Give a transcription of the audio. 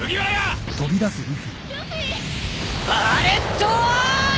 バレット！！